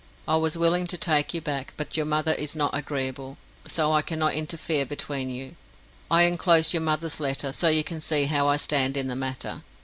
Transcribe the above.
I was willing to take you back, but your mother is not agreeable, so I cannot interfere between you. I enclose your mother's letter, so you can see how I stand in the matter.